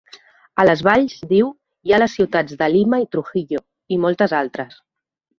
A les valls, diu, hi ha les ciutats de Lima i Trujillo i moltes altres.